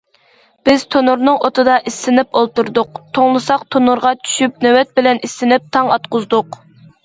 بىز تونۇرنىڭ ئوتىدا ئىسسىنىپ ئولتۇردۇق، توڭلىساق تونۇرغا چۈشۈپ نۆۋەت بىلەن ئىسسىنىپ تاڭ ئاتقۇزدۇق.